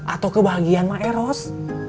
atau kebahagiaan mak eros